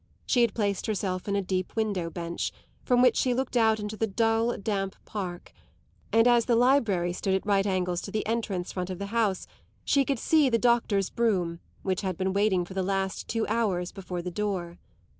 She had placed herself in a deep window bench, from which she looked out into the dull, damp park; and as the library stood at right angles to the entrance front of the house she could see the doctor's brougham, which had been waiting for the last two hours before the door.